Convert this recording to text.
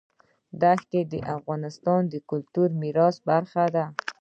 ښتې د افغانستان د کلتوري میراث برخه ده.